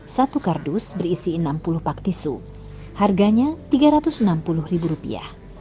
satu kardus berisi enam puluh pak tisu harganya tiga ratus enam puluh ribu rupiah